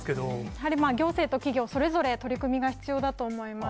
やはり、行政と企業、それぞれ取り組みが必要だと思います。